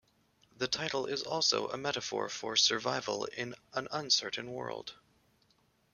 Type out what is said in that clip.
The title is also a metaphor for survival in an uncertain world.